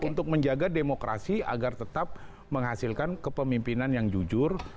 untuk menjaga demokrasi agar tetap menghasilkan kepemimpinan yang jujur